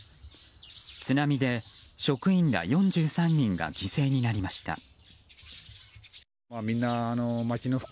津波で職員ら４３人が犠牲になりました。